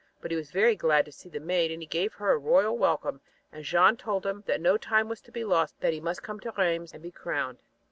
But he was very glad to see the Maid and he gave her a royal welcome and Jeanne told him that no time was to be lost but that he must come to Rheims and be crowned.